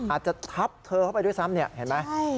อาจจะทับเธอเข้าไปด้วยซ้ำเนี่ยเห็นไหม